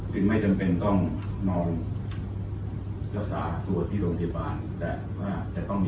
คือไม่จำเป็นต้องนอนรักษาตัวที่โรงพยาบาล